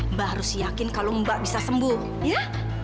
mbak harus yakin kalau mbak bisa sembuh ya